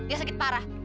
dia sakit parah